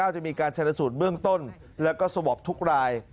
จะมีการชนสูตรเบื้องต้นแล้วก็สวอปทุกราย